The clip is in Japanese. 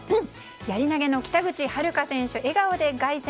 やり投げの北口榛花選手笑顔で凱旋！